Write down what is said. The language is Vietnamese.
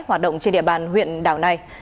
hoạt động trên địa bàn huyện đảo này